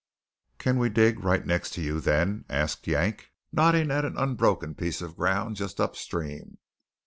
"Can we dig right next to you, then?" asked Yank, nodding at an unbroken piece of ground just upstream.